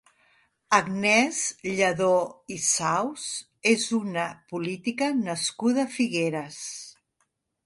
Agnès Lladó i Saus és una política nascuda a Figueres.